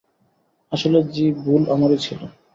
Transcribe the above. আসলে, যী, ভুল আমারই ছিল।